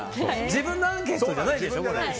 自分のアンケートじゃないのよ。